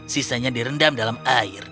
sisanya direndam dalam air